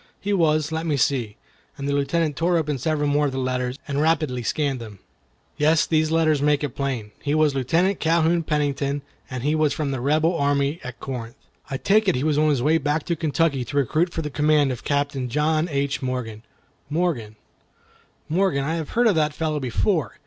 "He was—let me see—" and the Lieutenant tore open several more of the letters, and rapidly scanned them—"yes, these letters make it plain. He was a Lieutenant Calhoun Pennington, and he was from the Rebel army at Corinth. I take it he was on his way back to Kentucky to recruit for the command of a Captain John H. Morgan. Morgan—Morgan, I have heard of that fellow before.